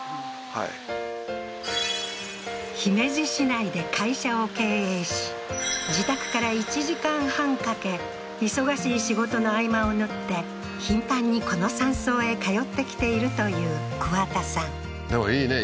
はいああーはい自宅から１時間半かけ忙しい仕事の合間を縫って頻繁にこの山荘へ通ってきているという桑田さんでもいいね